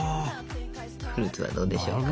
フルーツはどうでしょうか？